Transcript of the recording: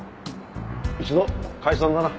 一度解散だな。